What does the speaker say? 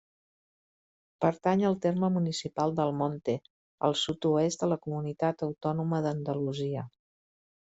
Pertany al terme municipal d'Almonte, al sud-oest de la Comunitat Autònoma d'Andalusia.